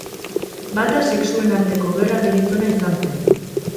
Bata sexuen arteko gerra deritzona izan zen.